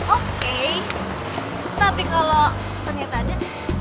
oke tapi kalau ternyata